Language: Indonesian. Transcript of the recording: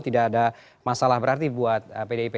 tidak ada masalah berarti buat pdip